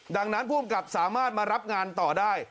ดังนั้นผู้อำกับสามารถมารับงานต่อได้